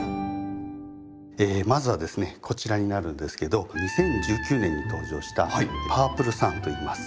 まずはですねこちらになるんですけど２０１９年に登場した‘パープルサン’。